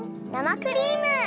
生クリーム！